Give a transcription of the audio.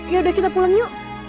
yaudah kita pulang yuk